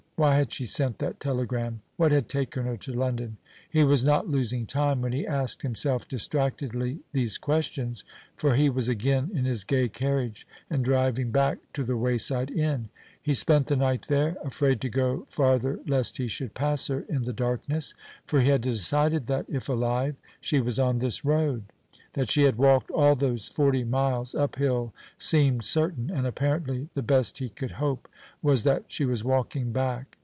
why had she sent that telegram? what had taken her to London? He was not losing time when he asked himself distractedly these questions, for he was again in his gay carriage and driving back to the wayside inn. He spent the night there, afraid to go farther lest he should pass her in the darkness; for he had decided that, if alive, she was on this road. That she had walked all those forty miles uphill seemed certain, and apparently the best he could hope was that she was walking back.